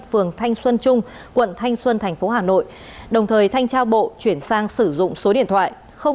phường thanh xuân trung quận thanh xuân tp hà nội đồng thời thanh tra bộ chuyển sang sử dụng số điện thoại sáu trăm chín mươi hai ba trăm hai mươi sáu năm trăm năm mươi năm